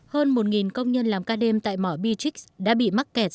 hơn một công nhân làm ca đêm tại mỏ bech đã bị mắc kẹt